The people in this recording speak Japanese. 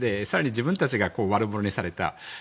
更に自分たちが悪者にされた。